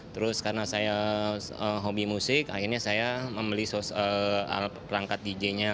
terus karena saya hobi musik akhirnya saya membeli perangkat dj nya